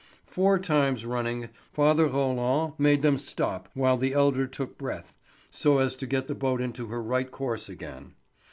Four times running father Roland made them stop while the elder took breath, so as to get the boat into her right course again.